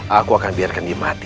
aku akan biarkan dia mati